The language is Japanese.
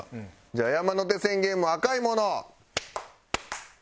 じゃあ山手線ゲーム赤いもの。